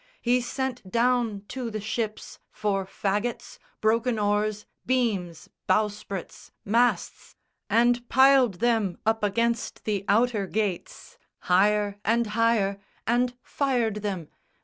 He sent down to the ships For faggots, broken oars, beams, bowsprits, masts, And piled them up against the outer gates, Higher and higher, and fired them.